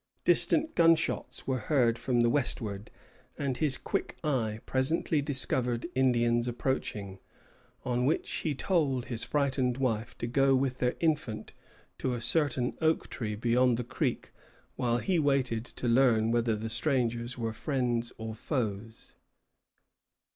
Distant gunshots were heard from the westward, and his quick eye presently discovered Indians approaching, on which he told his frightened wife to go with their infant to a certain oak tree beyond the creek while he waited to learn whether the strangers were friends or foes.